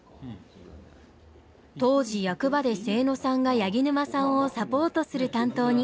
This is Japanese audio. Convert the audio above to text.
当時役場で清野さんが柳沼さんをサポートする担当に。